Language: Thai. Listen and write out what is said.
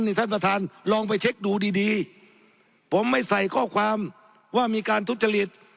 นี่ท่านประธานลองไปเช็คดูดีดีผมไม่ใส่ข้อความว่ามีการทุจริต